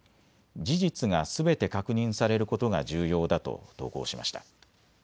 事実がすべて確認されることが重要だと投稿しました。